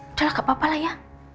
udah gak apa apalah ya